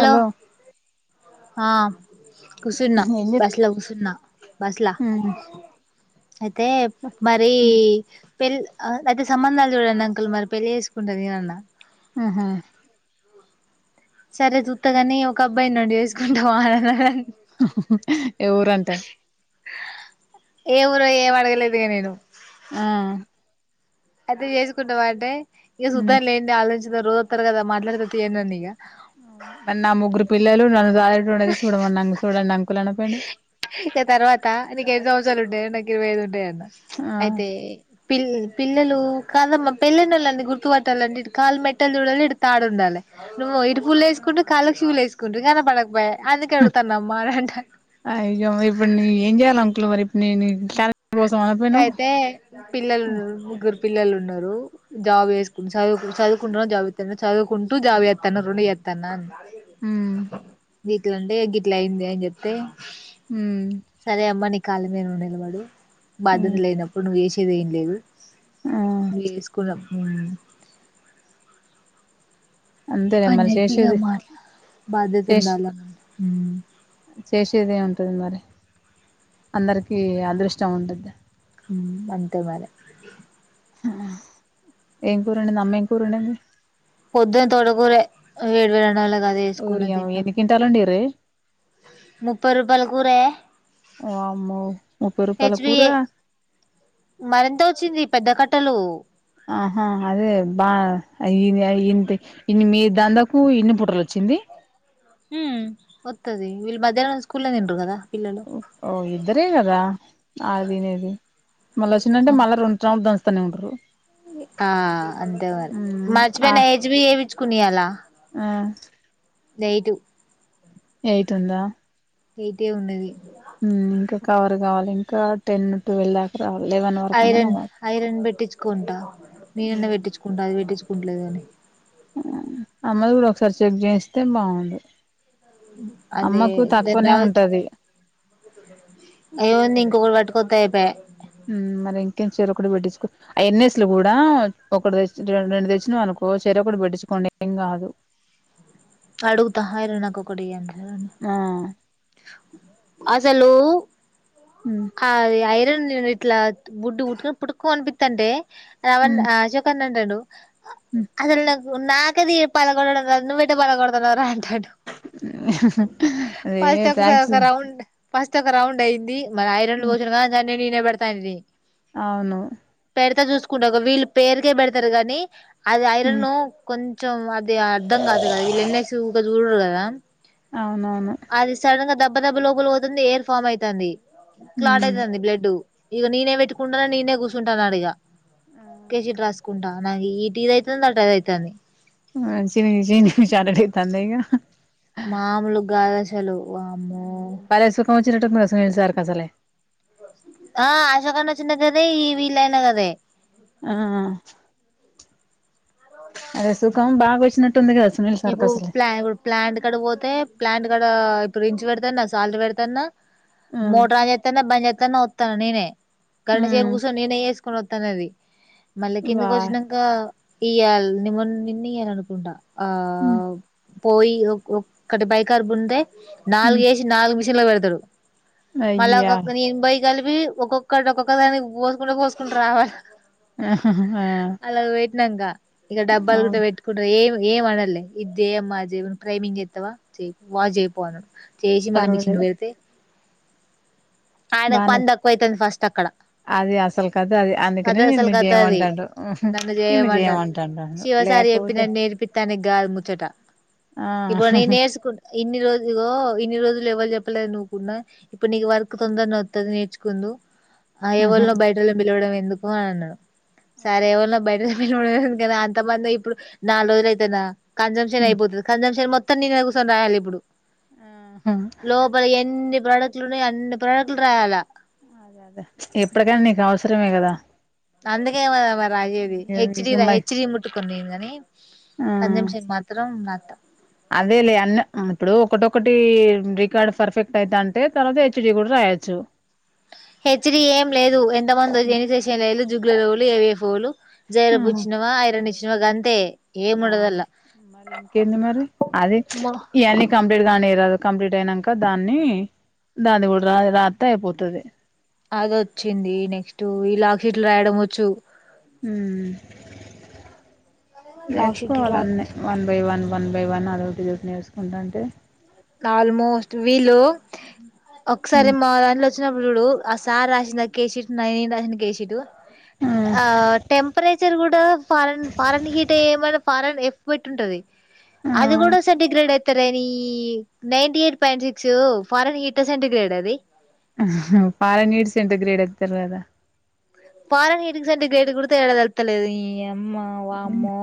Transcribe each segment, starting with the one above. Hello ఆ కూసున్నా ఉమ్ బస్లో కూసున్న బస్లా అయితే మరి పెళ్ అయితే సంబంధాలు చూడండి అంకుల్ మరి పెళ్ళి చేసుకుంటా నేనన్న ఉహూ సరే చూత్తగానీ ఒక అబ్బాయి ఉన్నాడు చేసుకుంటావా హహాహా ఏ ఊరు అంట ఏ ఊరో ఏం అడగలేదే నేను ఆ అయితే చేసుకుంటావా అంటే ఇక ఉమ్ సూద్దం లేండి ఆలోచించుతా రోజొస్తారు కదా మాట్లాడిత తీయండి అని అన్న ఇక మళ్ళ ముగ్గురు పిల్లలు నన్ను [unintelligible] చూడమని అ చూడండి అంకు ఇక తర్వాత నీకు ఎన్ని సంవత్సరాలు ఉంటాయి నాకు ఇరవై ఐదు ఉంటాయి అంట ఆ అయితే పిల్ పిల్లలు కాదమ్మ వాళ్ళండి గుర్తుపట్టాలండి కాళ్ళు మెట్టలు చూడాలి ఇటు తాడు ఉండాలి నువ్వు ఇటు ఫుల్లు వేసుకుండు కాళ్ళకి షూలు వేసుకుండు కనపడకపాయె అందుక అడుగుతున్నం అంట అయ్యో ఇప్పుడు నేను ఏం చేయాల అంకుల్ మరి నేను క్యారెక్టర్ కోసం అనపోయినవ్ అయితే పిల్లలు ముగ్గురు పిల్లలు ఉన్నారు జాబ్ చేసుకు చ చదువుకుంటున్నారూ జాబ్ చేస్తున్నారు చదువుకుంటూ జాబ్ చేస్తాన్నారు రెండు చెత్త న్నారు ఉమ్ గీట్ల అంటే గిట్లా అయ్యిందా అని చెప్తే ఉమ్ సరే అమ్మ నీ కాళ్ళ మీద నువ్ నిలబడు బాధ్యత ఉమ్ లేనప్పుడు నువ్వు చేసేది ఏం లేదు ఆ నువ్ చేసుకున్నాం ఉమ్ అంతేలే మళ్ళీ చేసేది మాట్లా బాధ్యత చేస్ ఉండాల చేసేది ఏముంది టది మరి అందరికి అదృష్టం ఉండదా అంతే మరి ఏం కూర వండింది అమ్మ ఎంకురా వండింది పొద్దున తోటకూర వేడివేరనళ్ళ కద వేసుకున్న ఓయమ్మ తిన్న ఎన్ని కింటాలు వండిర్రే ముప్పై రూపాయల కూరే వామ్మో ముప్పై రూపాయల కూర హెచ్బిఏ మరింత వచ్చింది పెద్ద కట్టలు ఆహా అదే బా ఇ ఇంత ఇన్ని మీ దాదాకు ఇన్ని పుట్రలు వచ్చింది హ ఒత్తది ఇల్ మధ్యాహ్న స్కూల్ లో తినరు కదా పిల్లలు ఓహో ఇద్దరే కదా అల్లతినేది మళ్ళ వచ్చందంట మళ రెండు టౌండ్ దంతస్తానే ఉంటారు ఆ అంతే మరి ఆ మంచియినా హెచ్చిబీ చేపించుకున్నా ఇవాళ ఎయిటు ఎయిట్ ఉందా ఎయిటే ఉన్నది ఇంకా కవర్ కావాలి ఇంకా టెన్ ట్వెల్వ్ దాక ఐరన్ ఐరన్ పెట్టించుకుంటా మీనన్నా పెట్టించుకుంటా అది పెట్టించుకుంటా అట్లాదనే అమ్మది కూడా ఒకసారి చెక్ చేస్తే బాగున్ను అదే దజవ ఉంటది ఏమైంది ఇంకొకటి పాటికోత అయితే చెరో ఒకటి పెట్టించు ఆ ఎనసెలు కూడా ఒక ద రెండు రెండు దచ్చిన అనుకో చెరో ఒకటి పెట్టించుకొ అం కాదు అడుగుత అరేయ్ నాకు ఒక్కటి ఇయ్యండ్రా అని ఆ అసాలు హ్మ్ నేను ఇట్లా బుడ్డు పుట్కునితంతాంటే రవ హ్మ్ అశోక్ అన్న అంటుండు హ్మ్ అసల్ నాకు నాకైతే పగల్గొట్టడం రాదు నువైతే పగల్గొతావర అని హ్మ్ హ్మ్ హ్మ్ ఫస్ట్ ఒక ఒక రౌండ్ ఫస్ట్ ఒక రౌండ్ అయింది మరి ఐరన్ లో పోచ న్న నేనే బెడతాయిది అవును పెడతా చూసుకుంట వీళ్ళు పేరుకే పెడతారు కాగానీ అది హ్మ్ ఐరన్ కొ కొంచెం అది అర్ధం కాదు కదా వీళ్ళ ఎన్నసిగా చూడరు కదా అవునవును అది సడన్ గా దెబ్బ దెబ్బ లోపల పోతుంది ఎయిర్ ఫామ్ అవుతుంది క్లాట్ హ్మ్ అవుతుంది బ్లడ్ ఇక నేనే పెట్టుకుంటాన నేనే కూర్చుంటానున్నాడు ఇక కేసు షీట్ రాసుకో కుంటా ఈటీది అవుతుంది అట అదేతుంది హ్మ్ చినింగి చినింగి చాటైతందిగ మామలు కాదు అసలు వామ్మో తినటం మోనేసారు అసాలే ఆ అశాకన్న చినదే కదే ఈ వీళయినా కదే ఆ అదే సుఖం బాగా వచ్చినట్టుంది కదా సునీల్ సార్కి ఇప్పు అసలే ప్లా ప్లాంట్ కడ పోతే ప్లాంట్ కడ ఇప్పుడు ఇంచ పెడతాన్న సాల్ట్ పెడతాన్నా ఆ మోటారన్ చేస్తాన్నా బంద చేస్తాన వస్తాను నేనే గంటసేపు హ్మ్ కూర్చొని నేనే వేసుకని వస్తాను అది మళ్ళీ వా కిందికి వచ్చాక ఇయ్యాలి నిమ నిన్న ఇయ్యాల అనుకుంటా ఆ హ్మ్ పోయి ఒక్కటి బైకర్ పుందే నాలుగు హ్మ్ వేసి నాలుగు మిషన్ లో పెడతాడు మళ్ళా అయ్యా ఒక్కొక నేను బై కలిపి ఒక్కొక్కటి ఒక్కొక్క దాని పోసుకుంటే పోసుకుంట రావాలి ఆ ఆ తంగా ఇక డబ్బాలు కూడా అవును పెట్టుకుంటారు ఏమి ఏ అనల్లే ఇదిదే అమ్మా జ ప్రైమింగ్ ఎత్తవాయి వా జయిపోవను [inaudible] చేసి మల్ల మెషిన్ పర్వాలేదు పెడితే ఆయనకు బానే పని తక్కువ అయితది ఫస్ట్ అక్కడ అది అసలు కదా అది అందుకనే అసలు నిన్ను కథ అది చేయమంటాడు నిను చేయమంటాడు లే చూపిన నేర్పితానికి గాలి ముచ్చట ఆ ఇప్పుడు న నేర్చుకుంట ఇన్ని రోజులుగ ఇన్ని రోజులు ఎవ్వరు చెప్పలేని నువ్వుకున్నా ఇప్పుడు నీకు వర్క్ తొందరన అవుతుంది నేర్చుకుందు ఆ ఆహా ఎవరినో బయటల్లునీ పిలవడం ఎందుకు అని అన్నాడు సరే ఎవైనా బయట అంత మంది ఇప్పుడు నా రోజుల అయితేనా కన్జప్షన్ అయిపోతుంది కన్సంప్షన్ మొత్తం అత్త న కోసం రాయాలి ఇప్పుడు ఆహా లోపల ఎన్ని ప్రోడక్ట్లున్నాయి అన్ని ప్రోడక్ట్లు రాయాలా అదే ఎప్పటికైనా నీకు అవసరమే కదా అందుకేమ మ రాసేది హెచ్డి మరి హెచ్చడి ముట్టుకొనిను కాని కన్స్యూమ్షన్ మాత్రం రాస్తా అదే లే అన్న ఇప్పుడు ఒకటొకటి రికార్డ్ పర్ఫెక్ట్ అయిత అంటే తర్వాత హెచ్డీ కూడా రాయచు హెచ్డీ ఏం లేదు ఎంత మంది ఎని చేషన్ లేదు జుగలు రలు ఏవిఎఫ్లు [inaudible] ఆహా జైలపుుచ్చినవా ఐరన్ ఇచ్చినవా అంతే ఆ మరి ఇంకేంది మరి అది ఇవన్నీ కంప్లీట్ గానీరాదు కంప్లీట్ అయినాక దాన్ని దాన్ని కూడా రా రాతే అయిపోతుది అది వచ్చింది నెక్స్ట్ లాక్షీట్లు రాయడం వచ్చు లాక్ షీట్లు నేర్చుకోవాల రా అన్ని one by one one by one అదోటి ఇదోటి నేర్చుకుంట ఉంటే ఆల్మోస్ట్ వీళ్ళ ఒకసారి మా దాంట్లో వచ్చిన ఆ సార్ రాసిన కేసి షీట్ నేను రాసిన కేసి షీట్ ఆ టెంపరేచర్ కూడా ఫారెన్ ఫారెన్ హీట్ అయ ఏమ ఫారెన్ ఎఫ్ పెట్టి ఉంటది అది కూడా సెంటి గ్రేడ్ ఎత్తారు nine eight point six foreign hit ఆ సెంటిగ్రేట్ ఆ అది ఫారిన్ హీట్ సెంటిగ్రేట్ ఎత్తారు కదా ఫారిన్ హీట్ కి సెంటిగ్రేట్ కి కూడా తేడా తెలుస్త లేదు నీ అమ్మ వామ్మో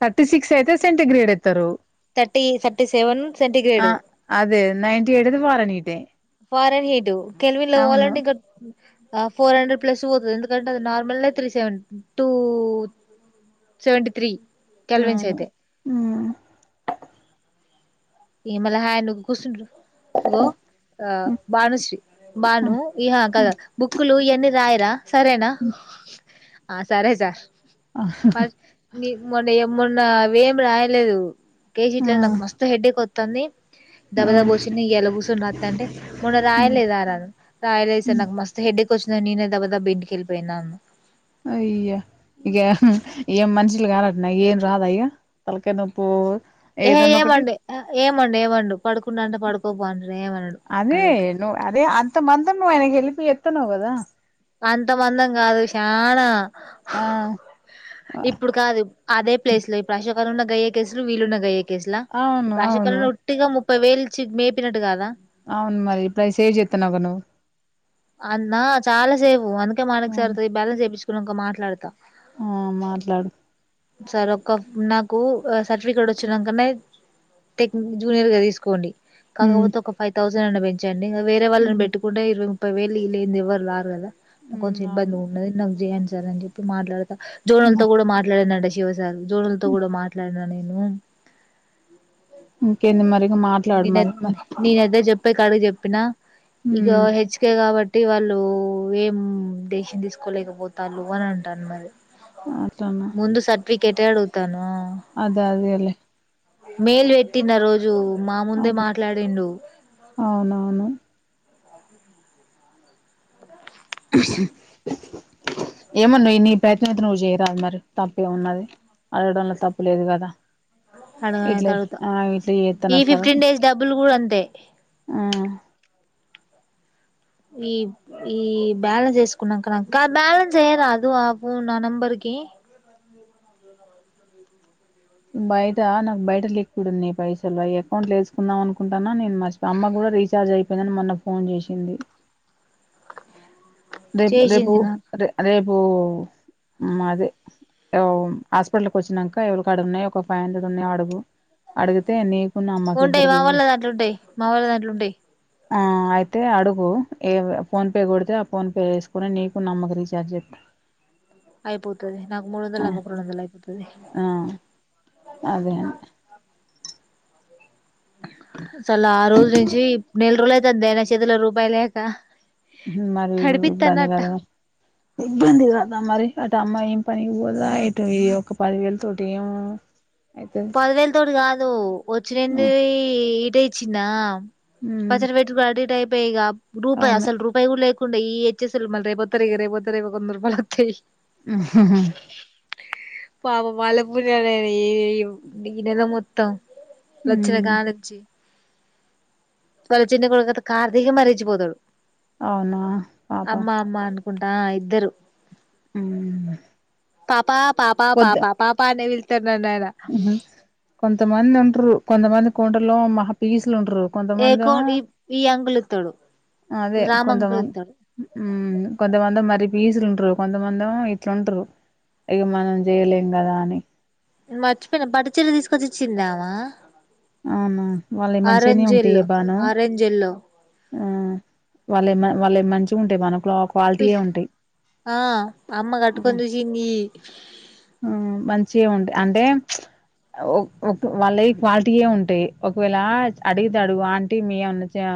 థర్టీ సిక్స్ అయితే సెంటీ గ్రేడ్ అస్తారు థర్టీ థర్టీ సెవెన్ సెంటిగ్రేడ్ అదే నైన్టీ తడే ఫారిన్ హీట్ ఆ ఫారెన్ హీటు కల్వలో ల్ అవును వాలింటి ఫోర్ హండ్రెడ్ ప్లస్ పోతుంది ఎందుకంటే అది నార్మల్ త్రీ సెవెంట టూ సవెంట తీ అవును [unintelligible] [inaudible] ఆ బానుశ్రీ బాను ఈహా కదా బుక్కులు ఇవన్నీ రాయరా సరేనా అ ఆ సరే సార్ ఆ ఫ మొన్న మొన్నవమి రాయలేదు కే షీట్లు ఆ నాకు మస్త హెడ్డేక్ వస్తుంది ఆ దడబ్బ దబ్బ వచ్చి న ఎలా కూర్చొని రాస్తుంటే మొన్న రాయలేద రా అనరు రాయలేదు సార్ నాకు మస్తు హెడ్ వ నేనే దాబాబ ఇంటికిళ్ళిపోయిన అయ్యా ఇక ఏం మనుషులు కాదంటానా ఏం రాధ ఇగ తలకాయి నొప్పు ఏ ఏదన్న ఒకటి ఏమండి ఏమండి ఏమండు పడుకుండా అంటే పడుకోపో అంటాడు ఏమనాడు అదే అది ఒకే అదే అంత మంద ను హెలిపి ఎత్తనవు కదా అంత మందం కాదు చానా ఆ ఇప్పుడు కాదు అదే ప్లేస్ లో ఇప్పుడుశ న్న గయ్య కేసులు వీలున్న గయ కేసులా అవును అవును ప్రేషకాల ఒట్టిగా ము ముఫై వీలు ఇచి మేపినట్టు కాదా అవును మరి ఇప్పుడు అవి సేవ్ చేస్తున్నావు కదా అన్నా చాలా సేపు్ అందుకే మాణక్ నువ్వు సార్తో బెాలెస్ చేయించుకుని ఇంకా మాట్లాడతా ఆ మాట్లాడు సార్ ఒ నాకు సర్టిఫికేట్ వచ్చినాకన్నా టెక్ జూనియర్ గా తీసుకోండి ఉమ్ కాకపోతే ఒక ఫైవ్ థౌసండ్ అని పెంచండి వేరే వాళ్ళని ఉమ్ పెట్టుకుంటే ఇరవై ఇ వెళ్ళి లేదు ఎవ్వరు రారు కదా నాకు ఉమ్ కొంచెం ఇబ్బంది అవును ఉండది నాకు చేయండి సార్ అని చెప్పి మాట్లాడుత జోనలతో కూడా మాట్లాడినడి శివసార్ జోడలతో కూడా మాట్లాడినా నేను ఇంకేంది మరి ఇగ మాట్లాడు న మరి మ నన ఎద జప్ పై కడుగ చెప్పినా ఇక ఉమ్ హెచ్కే కాబట్టి అే వాళ్ళు ఏం దేశం తీసుకోలేకపోతారు అని అంటను మరి అట్లనా ముందు సర్టిఫికేట్ ఎడుగుతాను అదే అదేలే మేల్వట్టిన రోజు మా ముందే అదే మాట్లాడిడు అవునవును ఏమన్నా్వు నీ ప్రయత్నం అయితే నువ్వు చేయరాదు మరి తప్పే ఉన్నది అడగడంలో తప్పు లేదు కదా అడగనైతే ఇట్లే అడుగుతా ఆ ఇట్లే ఏత ఈ నా సాల ఫిఫ్టీన్ డేస్ డబ్బులు కూడా అంతే ఆ ఈ ఈ బ్యాలెన్స్ వేసుకున్నాక బ్యాలెన్స్ అయ్యదా అదు ఆ ఫోన్ ఆ నంబర్ కి అ బయట నాకు బయట లిక్డు ఉంది పైసలు ఈ అకౌంట్ లో వేసుకుందాం అనుకుంటాన్నా నేను మ అమ్మ కూడా రీచార్జ్ అయిపోయిందని మొన్న ఫోన్ చేసింది రేపు రేపు చేసింది నాకు రే రేపు అదే హాస్పిటల్కి వచ్చాక ఎవరి కాడు ఉన్నాయయి ఒక ఫైవ్ హండ్రెడ్ ఉన్నాయి అడుగు అడిగితే నీకున్నా అమ్మకి ఉంటాయి మా ఇద్దరికి వాళ్ళ దాంట్లో ఉంటాయి మా వాళ్ళ దాంట్లో ఉంటాయి ఆ అయితే అడుగు ఏ ఫోన్పే కొడితే ఫోన్పే వేసుకుొని నీకు నమ్మక రీచార్జ్ చెద్దా అయిపోతుది నాకు మూడు వందలు న రెండు వందలు అయిపోతుది ఆ అదే అన్న అసలు ఆ రోజు నుంచి నెల రోజులు అవుతుంది అనా చేతిల రూపాయి లేక మరి ఇబ్బంది నడిపిత్తన్నట్ట కాదా ఇబ్బంది కాదా మరి అమ్మం పనికిపోదా యిట్ ఇ ఒక పదివేలు తోటం పదవేల తోటి కాదు వచ్చినంది ఈట ఇచ్చిందా మ్ పచ్చర వట్ీ టైపు రూపాయి అవును అసలు రూపాయి కూడా లే కుండ ఈెచ్చస్ల్ మల్ రే బొత్తరిగ రేబోత్తర ఇంద ర బాతతి ఆాా పాప బాలపుూర్ ఏ నెల మొత్తం మ్ లచ్చణకానుంచిీ పొరచ్చిే కొడుక కార్తక మరిచ పోతాడు అవునా పాప కుంటా ఇద్దరు మ్మ్ పాపా పాపా పాపా పాపా అనే వెళ్తన్నాన్న హ కొంతమంది ఉంటారు కొంతమంది కోండలో మహపీ లుండరు ఏ కొంతమంది కోడి ఈ అంకుల్ ఇత్తడు అదే రామ్ అంకుల్ కొంచమ ఇత్తడు కొంచమంత మరి వీసలు కొంతమందిో ఇట్లాంటారు ఇక మనం చేయలేం కదా అని మర్చిపోయినా పట్టుచీర్లు తీసుకొచ్చి ఇచ్చిందామా అవునా వాళ్ళయి మంచిగనే ఆరెజ్ ఎల్లోో ఆరెంజ్ ఎల్లోో ఉ, వాళ్ళవి వాళ్ళవి మంచిగా ఉంటాయ మనకు క్వాలిటీయే పిల్ ఉంటాయి. ఆ అమ్మ కట్టుకొనిచూసింది. ఆ మంచిగ ఉండె అంటే ఒక వాళ్ళవి క్వాలిటీయే ఉంటాయి. ఒకవేళ అడుగుతే అడుగు ఆంటి మీ వేవన్న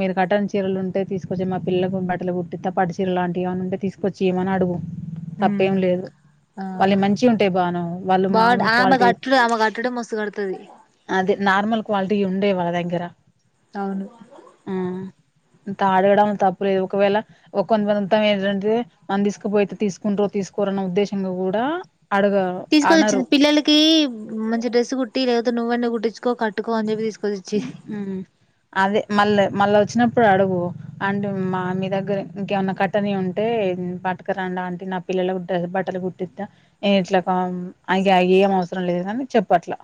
మీరు కట్టనీ చీరలు ఉంటే తీసుకొచ్చి మా పిల్లలకు బట్టలు పట్టు చీరలు లాంటివి ఉంటే తీసుకొచ్చివ్వమని అడుగు. తప్పేం లేదు. ఆ వాళ్ళువి మంచి ఉంటాయి బాను వాళ్ళు బాగుంట మామూలు ఆమె క్వాలిటీ. కట్టుడు ఆమె కట్టుడే మస్తు కడుతది అది, నార్మల్ క్వాలిటీ ఉంటాయి వాళ్ళ దగ్గర. అవును. ఆ అంత అడగడం తప్పు లేదు. ఒకవేళ ఒక కొంత ఏంటంటే మనం తీసుకుపోయితే తీసుకుంట్రో తీసుక. కోరన్న ఉద్దేశంగా కూడా అడగ అనరు తీసుకొనిచ్చింది. పిల్లకి మంచి డ్రెస్ కుట్టి లేకపోతే నువన్న కుట్టిచ్చుకో కట్టుకో అని చెప్పి తీసుకో. అదే మళ్ళ మళ్ళ వచ్చినప్పుడు అడుగు అంటే మా మీ దగ్గర ఇంకేమన్నా కట్టనివి ఉంటే పట్టకరాండిఆంటి. నా పిల్లల బట్టలు గుట్టిస్త నేను ఇట్లా అ ఏం అవసరం లేదు అని చెప్పట్లా.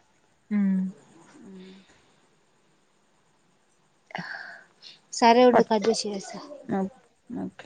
మ్! [inaudible] సరే ఉండు కట్ చేసి చేస్తా. నక్!.